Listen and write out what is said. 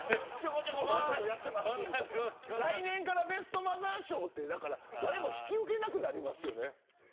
来年からベストマザー賞って誰も引き受けなくなりますよね。